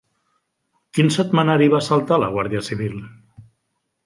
Quin setmanari va assaltar la Guàrdia Civil?